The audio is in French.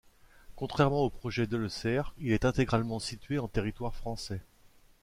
Contrairement au projet Delessert, il est intégralement situé en territoire français.